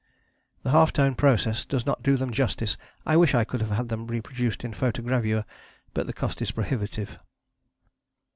The half tone process does not do them justice: I wish I could have had them reproduced in photogravure, but the cost is prohibitive.